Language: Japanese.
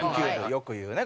よく言うね